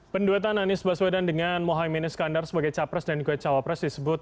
penduetan anies baswedan dengan mohaimin iskandar sebagai capres dan juga cawapres disebut